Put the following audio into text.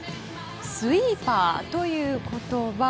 スイーパーという言葉